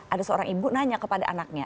ada seorang ibu nanya kepada anaknya